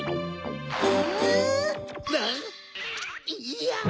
いや。